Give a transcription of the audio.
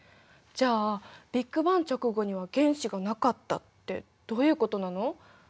じゃあ「ビッグバン直後には原子がなかった」ってどういうことなの？